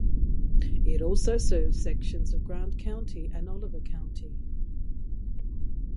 It also serves sections of Grant County and Oliver County.